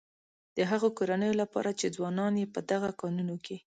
د هغه کورنيو لپاره چې ځوانان يې په دغه کانونو کې.